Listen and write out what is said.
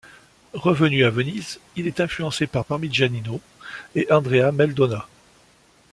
Revenu à Venise, il est influencé par Parmigianino et Andrea Meldolla.